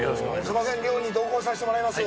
すいません、漁に同行させてもらいます。